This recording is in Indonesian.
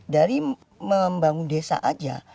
dari membangun desa aja